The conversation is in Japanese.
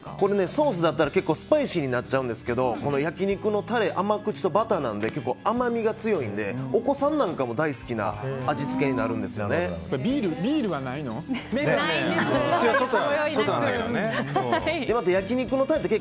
ソースだったら結構スパイシーになっちゃうんですが焼き肉のタレ甘口とバターなので甘みが強いのでお子さんなんかも大好きなビールはないの？ないんです。